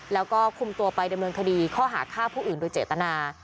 แล้วก็คุมตัวไปดำเนินคดีข้อหาฆ่าผู้อื่นโดยเจตนา